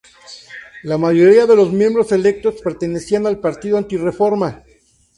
La mayoría de miembros electos pertenecían al Partido Anti-Reforma.